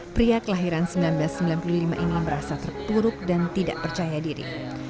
pria kelahiran seribu sembilan ratus sembilan puluh lima ini merasa terpuruk dan tidak percaya diri